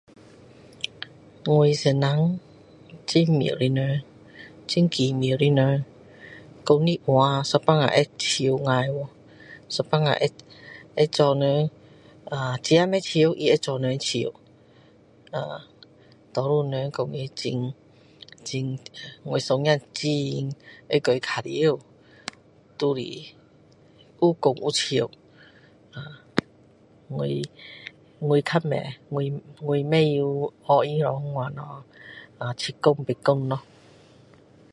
我先生很奇妙的人说的话有时候会笑坏去有时候会做人啊自己不会笑他会做人笑呃多数人讲他很我孙子很会跟他玩耍就是有说有笑啊我我比较不会我不会像他那样七说八说咯